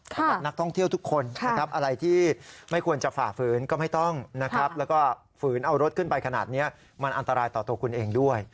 สำหรับนักท่องเที่ยวทุกคนนะครับอะไรที่ไม่ควรจะฝ่าฝืนก็ไม่ต้องนะครับแล้วก็ฝืนเอารถขึ้นไปขนาดนี้มันอันตรายต่อตัวคุณเองด้วย